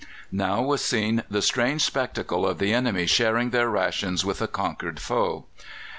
Now was seen the strange spectacle of the enemy sharing their rations with a conquered foe.